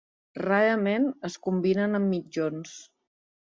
Rarament es combinen amb mitjons.